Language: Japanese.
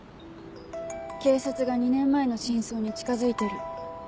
警察が２年前の真相に近づいてる。